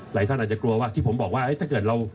ท่านอาจจะกลัวว่าที่ผมบอกว่าถ้าเกิดเรา